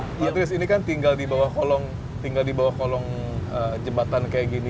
pak adris ini kan tinggal di bawah kolong tinggal di bawah kolong jembatan kayak gini